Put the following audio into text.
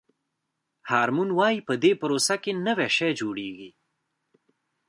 هارمون وایي په دې پروسه کې نوی شی جوړیږي.